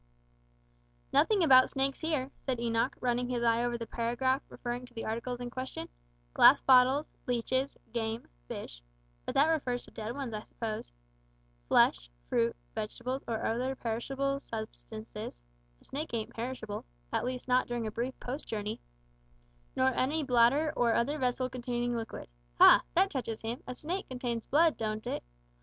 "Nothing about snakes here," said Enoch, running his eye over the paragraph referring to the articles in question, "`Glass bottles, leeches, game, fish,' (but that refers to dead ones, I suppose) `flesh, fruit, vegetables, or other perishable substances' (a snake ain't perishable, at least not during a brief post journey) `nor any bladder or other vessel containing liquid,' (ha! that touches him: a snake contains blood, don't it?)